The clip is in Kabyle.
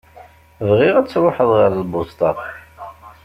Bɣiɣ ad truḥeḍ ɣer lbusṭa.